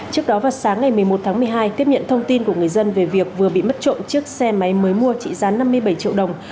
trước đó vào sáng ngày một mươi một tháng một mươi hai tiếp nhận thông tin của người dân về việc vừa bị mất trộm chiếc xe máy mới mua trị giá năm mươi bảy triệu đồng